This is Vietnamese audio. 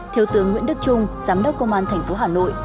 thiếu tướng nguyễn đức trung giám đốc công an thành phố hà nội